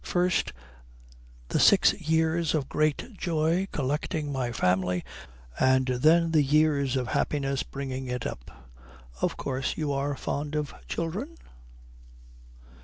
First the six years of great joy collecting my family, and then the years of happiness bringing it up. Of course you are fond of children?"